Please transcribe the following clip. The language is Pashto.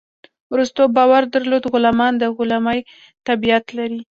ارسطو باور درلود غلامان د غلامي طبیعت لري.